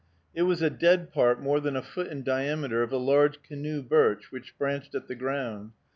It was a dead part, more than a foot in diameter, of a large canoe birch, which branched at the ground.